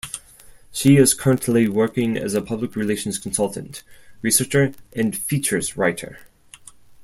She is currently working as a public relations consultant, researcher and features writer.